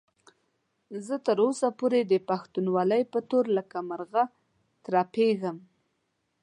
زه تر اوسه پورې د پښتونولۍ په تور لکه مرغه ترپېږم.